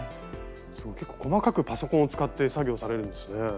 すごい結構細かくパソコンを使って作業されるんですね。